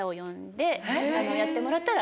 やってもらったら。